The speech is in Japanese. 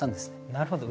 なるほど。